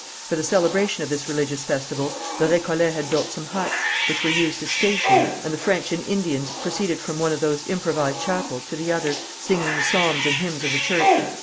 For the celebration of this religious festival, the Récollets had built some huts, which were used as stations, and French and Indians proceeded from one of those improvised chapels to the other, singing the psalms and hymns of the church.